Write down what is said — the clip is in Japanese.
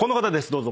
どうぞ。